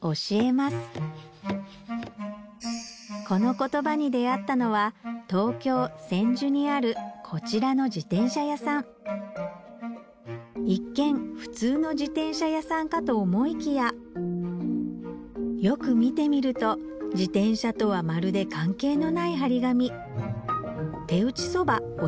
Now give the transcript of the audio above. このコトバに出合ったのは東京・千住にあるこちらの自転車屋さん一見普通の自転車屋さんかと思いきやよく見てみると自転車とはまるで関係のない貼り紙